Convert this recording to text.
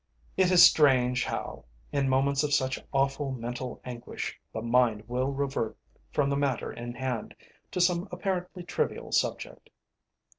_] It is strange how, in moments of such awful mental anguish, the mind will revert from the matter in hand to some apparently trivial subject.